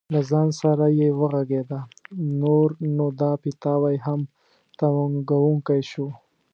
له ځان سره یې وغږېده: نور نو دا پیتاوی هم تنګوونکی شو.